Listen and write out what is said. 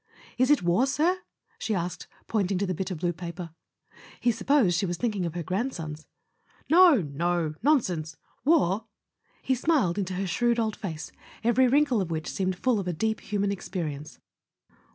"Is it war, sir?" she asked, pointing to the bit of blue paper. He supposed she was thinking of her grand¬ sons. "No—no—nonsense! War?" He smiled into her A SON AT THE FRONT shrewd old face, every wrinkle of which seemed full of a deep human experience.